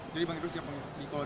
jadi bang idrus siapa yang dikori